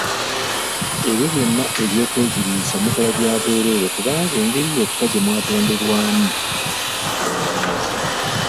Ebyo byonna eby'okwegiriisa mukola bya bwereere kubanga engeri yokka gyemwatonderwamu emala bumazi.